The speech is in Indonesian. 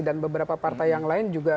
dan beberapa partai yang lain juga